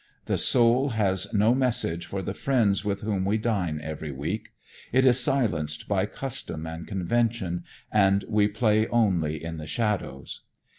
The soul has no message for the friends with whom we dine every week. It is silenced by custom and convention, and we play only in the shallows.